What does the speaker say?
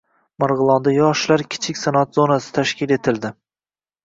Marg‘ilonda “yoshlar kichik sanoat zonasi” tashkil etildi